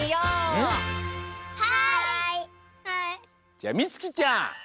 じゃみつきちゃん！